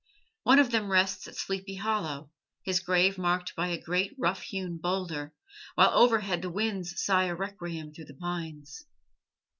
One of them rests at Sleepy Hollow, his grave marked by a great rough hewn boulder, while overhead the winds sigh a requiem through the pines.